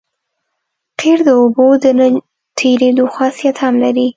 قیر د اوبو د نه تېرېدو خاصیت هم لري